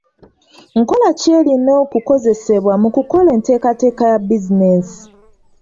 Nkola ki erina okukozesebwa mu kukola enteekateeka ya bizinensi?